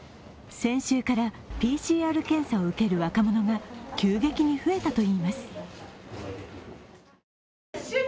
先週からＰＣＲ検査を受ける若者が急激に増えたといいます。